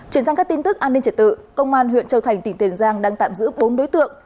chuyển sang các tin tức an ninh trật tự công an huyện châu thành tỉnh tiền giang đang tạm giữ bốn đối tượng